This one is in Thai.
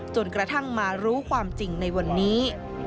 จนกระทั่งมารู้ความจริงในวันนี้